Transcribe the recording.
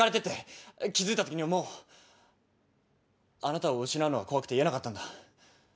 気付いたときにはもうあなたを失うのが怖くて言えなかったんだ。